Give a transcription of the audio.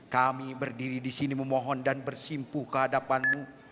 kami berdiri di sini memohon dan bersimpuh kehadapanmu